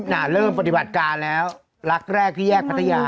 น่ะเริ่มปฏิบัติการแล้วรักแรกที่แยกพัทยา